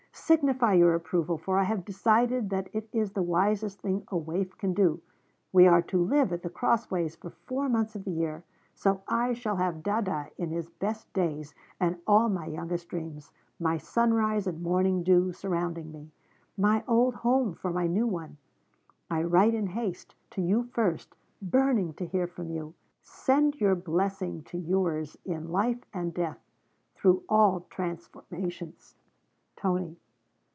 Signify your approval, for I have decided that it is the wisest thing a waif can do. We are to live at The Crossways for four months of the year, so I shall have Dada in his best days and all my youngest dreams, my sunrise and morning dew, surrounding me; my old home for my new one. I write in haste, to you first, burning to hear from you. Send your blessing to yours in life and death, through all transformations, 'TONY.'